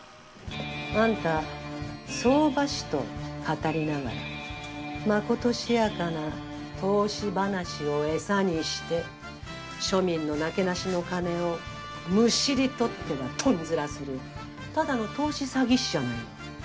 あんた相場師とかたりながらまことしやかな投資話を餌にして庶民のなけなしの金をむしり取ってはトンズラするただの投資詐欺師じゃないの。